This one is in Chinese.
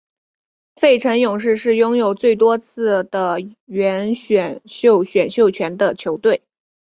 费城勇士是拥有最多次地缘选秀选秀权的球队。